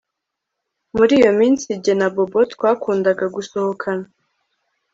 Muri iyo minsi jye na Bobo twakundaga gusohokana